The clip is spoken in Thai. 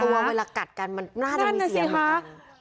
สองตัวเวลากัดกันน่าจะมีเสียงเหมือนกัน